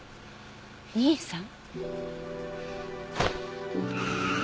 兄さん？